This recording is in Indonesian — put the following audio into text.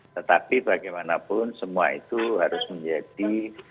tetapi bagaimanapun semua itu harus menjadi